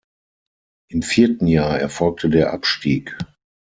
Im vierten Jahr erfolgte der Abstieg.